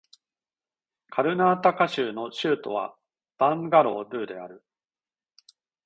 カルナータカ州の州都はバンガロールである